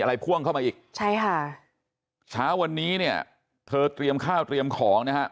พ่วงเข้ามาอีกใช่ค่ะเช้าวันนี้เนี่ยเธอเตรียมข้าวเตรียมของนะฮะ